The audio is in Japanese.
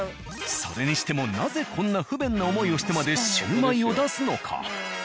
それにしてもなぜこんな不便な思いをしてまでシュウマイを出すのか。